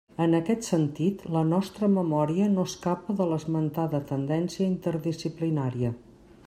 En aquest sentit, la nostra memòria no escapa de l'esmentada tendència interdisciplinària.